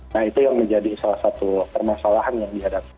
nah itu yang menjadi salah satu permasalahan yang dihadapi